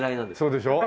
そうでしょ？